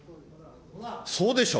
そうでしょ。